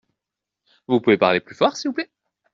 Vous pouvez parler plus fort s’il vous plait ?